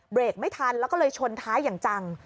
ไม่ทันแล้วก็เลยชนท้ายอย่างจัง